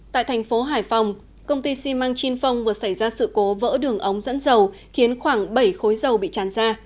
tại thành phố hải phòng công ty xi măng chin phong vừa xảy ra sự cố vỡ đường ống dẫn dầu khiến khoảng bảy khối dầu bị tràn ra